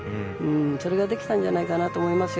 それができたんじゃないかと思いますよ。